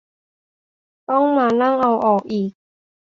ต้องมานั่งเอาออกอีก